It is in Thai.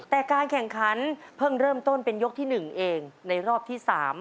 แต่การแข่งขันเพิ่งเริ่มต้นเป็นยกที่๑เองในรอบที่๓